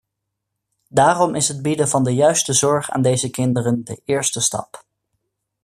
Daarom is het bieden van de juiste zorg aan deze kinderen de eerste stap.